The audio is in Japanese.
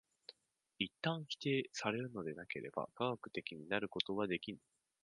一旦否定されるのでなければ科学的になることはできぬ。